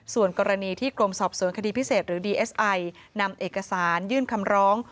ส่วนกรณีที่กรมสอบสวนคดีพิเศษหรือดีเอสไอนำเอกสารยื่นคำร้อง